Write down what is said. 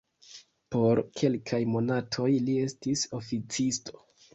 Por kelkaj monatoj li estis oficisto.